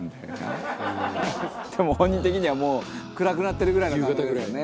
でも本人的にはもう暗くなってるぐらいの感覚だよね」